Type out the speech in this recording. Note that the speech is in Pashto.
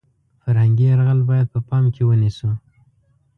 فرهنګي یرغل باید په پام کې ونیسو .